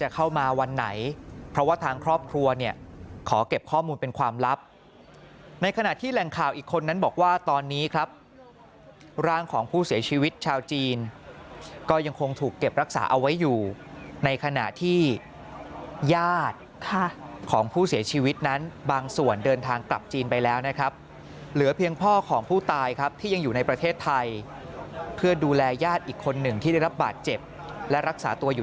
เข้ามาวันไหนเพราะว่าทางครอบครัวเนี่ยขอเก็บข้อมูลเป็นความลับในขณะที่แหล่งข่าวอีกคนนั้นบอกว่าตอนนี้ครับร่างของผู้เสียชีวิตชาวจีนก็ยังคงถูกเก็บรักษาเอาไว้อยู่ในขณะที่ญาติของผู้เสียชีวิตนั้นบางส่วนเดินทางกลับจีนไปแล้วนะครับเหลือเพียงพ่อของผู้ตายครับที่ยังอยู่ในประเทศไทยเพื่อดูแลญาติอีกคนหนึ่งที่ได้รับบาดเจ็บและรักษาตัวอยู่